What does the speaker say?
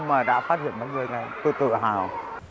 mà đã phát hiện mấy người ngay tôi tự hào